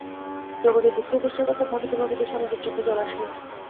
জগতের দুঃখকষ্টের কথা ভাবিতে ভাবিতে স্বামীজীর চক্ষে জল আসিল।